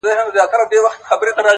که مړ سوم نو ومنه ـ